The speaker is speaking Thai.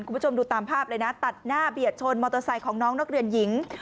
คุณผู้ชมดูตามภาพเลยนะตัดหน้าเบียดชนมอเตอร์ไซค์ของน้องนักเรียนหญิง